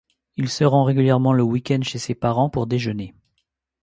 Il se rend régulièrement le week-end chez ses parents pour déjeuner.